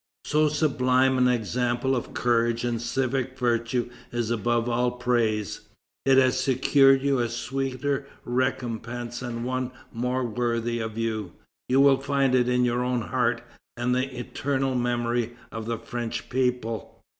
So sublime an example of courage and civic virtue is above all praise. It has secured you a sweeter recompense and one more worthy of you; you will find it in your own heart, and the eternal memory of the French people."